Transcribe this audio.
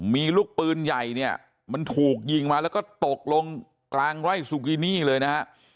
มีลูกปืนใหญ่เนี่ยมันถูกยิงมาแล้วก็ตกลงกลางไร่ซูกินี่เลยนะฮะ